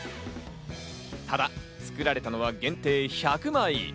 ただ作られたのは限定１００枚。